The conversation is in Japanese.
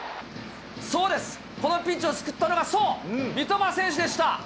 そうです、このピンチを救ったのが、そう、三笘選手でした。